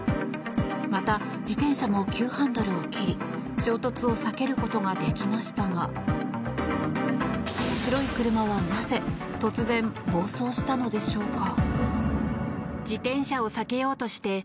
また、自転車も急ハンドルを切り衝突を避けることができましたが白い車はなぜ突然暴走したのでしょうか。